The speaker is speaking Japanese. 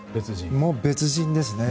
もう別人ですね。